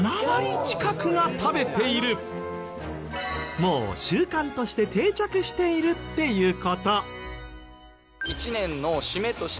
もう習慣として定着しているっていう事！